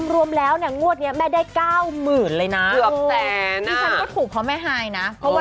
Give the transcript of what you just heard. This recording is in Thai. รวมแล้วเนี่ยงวดเนี่ยแม่ได้๙๐๐๐๐บาทเลยนะ